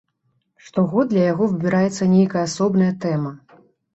Штогод для яго выбіраецца нейкая асобная тэма.